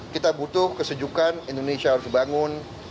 kita butuh kesejukan indonesia harus dibangun